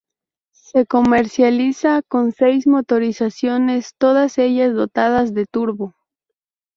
Se comercializa con seis motorizaciones todas ellas dotadas de Turbo.